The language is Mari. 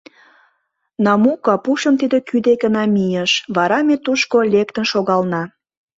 Намука пушым тиде кӱ деке намийыш, вара ме тушко лектын шогална.